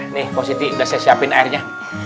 nih positif udah saya siapin airnya